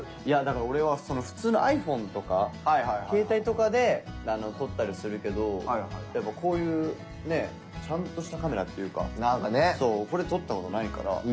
いやだから俺は普通のｉＰｈｏｎｅとか携帯とかで撮ったりするけどこういうねちゃんとしたカメラっていうかこれで撮った事ないから。